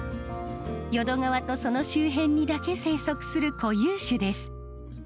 淀川とその周辺にだけ生息する固有種です。